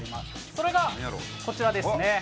それがこちらですね。